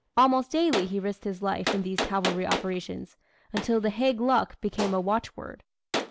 Almost daily he risked his life in these cavalry operations until the "Haig luck" became a watchword.